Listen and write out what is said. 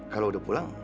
kalau udah pulang